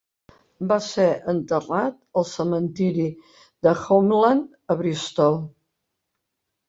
Va ser enterrat al cementiri de Homeland, a Bristol.